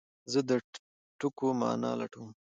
زه د ټکو مانا لټوم.